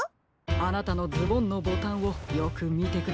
あなたのズボンのボタンをよくみてください。